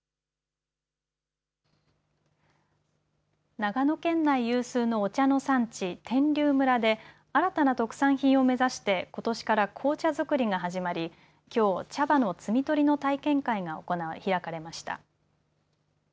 長野県内有数のお茶の産地、天龍村で新たな特産品を目指してことしから紅茶作りが始まり、きょう、茶葉の摘み取りの体験会が開かれました。